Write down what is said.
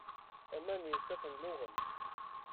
Aman n yisaffen luɣen.